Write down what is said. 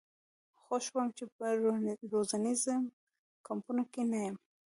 خوښ وم چې په روزنیزو کمپونو کې نه یم.